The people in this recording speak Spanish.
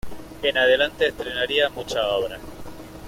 En adelante estrenaría muchas obras.